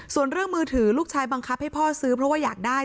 ส่วนเรื่องมือถือลูกชายบังคับให้พ่อซื้อเพราะว่าอยากได้